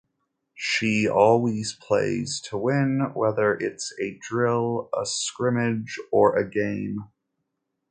She always plays to win, whether its a drill, a scrimmage or a game.